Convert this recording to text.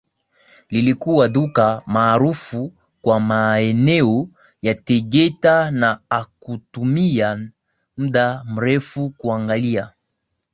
Lilikua duka maarufu kwa maeneo ya tegeta na hakutumia mda mrefu kuangalia